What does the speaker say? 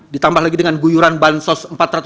ditambah lagi dengan guyuran ban sos